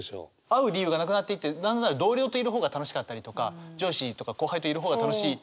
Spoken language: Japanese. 会う理由がなくなっていってなんなら同僚といる方が楽しかったりとか上司とか後輩といる方が楽しい。